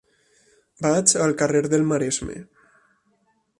Vaig al carrer del Maresme.